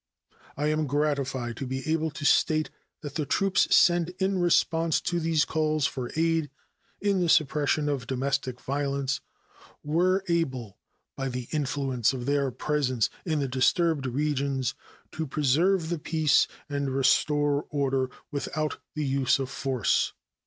I am gratified to be able to state that the troops sent in response to these calls for aid in the suppression of domestic violence were able, by the influence of their presence in the disturbed regions, to preserve the peace and restore order without the use of force.